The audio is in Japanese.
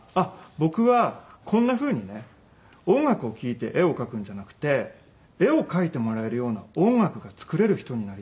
僕はこんなふうにね音楽を聴いて絵を描くんじゃなくて絵を描いてもらえるような音楽が作れる人になりたいって。